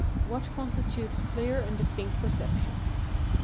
What constitutes clear and distinct perception.